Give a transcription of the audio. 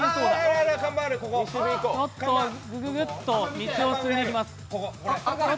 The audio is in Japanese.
ちょっとぐぐぐっと道を進んでいきます。